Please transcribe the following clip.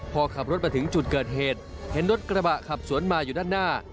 พอขับรถมาถึงจุดเกิดเหตุเห็นรถกระบะขับสวนมาอยู่ด้านหน้า